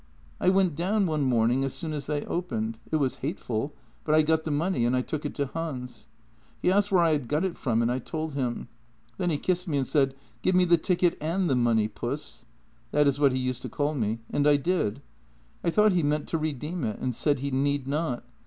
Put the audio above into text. I went down one morning as soon as they opened; it was hateful, but I got the money and I took it to Hans. He asked where I had got it from, and I told him. Then he kissed me and said : 1 Give me the ticket and the money, puss '— that is what he used to call me — and I did. I thought he meant to redeem it, and said he need not.